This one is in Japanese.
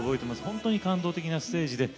本当に感動的なステージで。